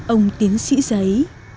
ông tiến sĩ giấy